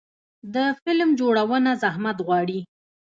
د فلم جوړونه زحمت غواړي.